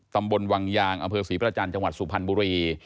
ตำบลวังยางอำเภอศรีประจันทร์จังหวัดสุพรรณบุรี